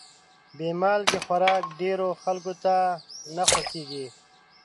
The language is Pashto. بې مالګې خوراک ډېرو خلکو ته نه خوښېږي.